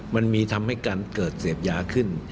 มันมีทำให้การเกิดเสพยาขึ้น